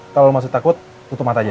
kalau lo masih takut tutup mata aja